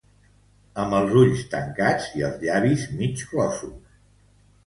Amb els ulls tancats i els llavis mig closos.